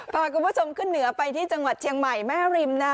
พาคุณผู้ชมขึ้นเหนือไปที่จังหวัดเชียงใหม่แม่ริมนะ